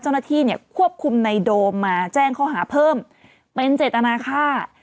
เจ้าหน้าที่เนี่ยควบคุมในโดมมาแจ้งข้อหาเพิ่มเป็นเจตนาค่า